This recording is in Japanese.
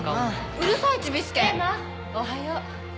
おはよう。